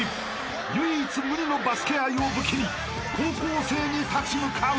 ［唯一無二のバスケ愛を武器に高校生に立ち向かう］